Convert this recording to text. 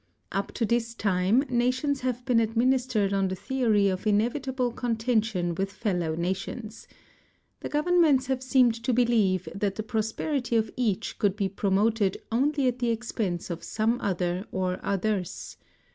Up to this time nations have been administered on the theory of inevitable contention with fellow nations. The govern ments have seemed to believe that the prosperity of each could be promoted only at the expense of some other or others.